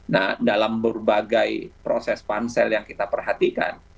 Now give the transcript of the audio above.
nah dalam berbagai proses pansel yang kita perhatikan